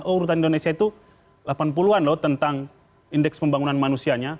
oh urutan indonesia itu delapan puluh an loh tentang indeks pembangunan manusianya